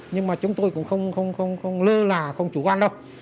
nhưng mà chúng tôi cũng không lơ là không chủ quan đâu